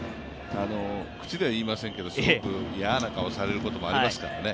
口では言いませんけれども、すごく嫌な顔をされることもありますからね。